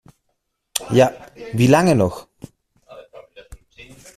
Ja, wie lange noch?